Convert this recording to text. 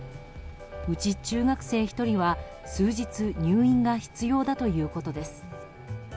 うち中学生１人は、数日入院が必要だということです。